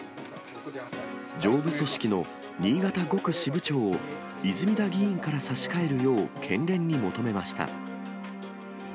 上部組織の新潟５区支部長を泉田議員から差し替えるよう、県連に求めました。